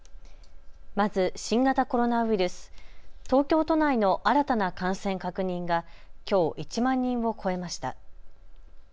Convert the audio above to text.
まず新型コロナウイルス、東京都内の新たな感染確認がきょう１万人を超えました。